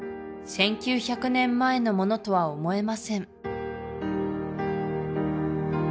１９００年前のものとは思えません